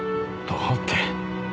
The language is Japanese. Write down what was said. どうって。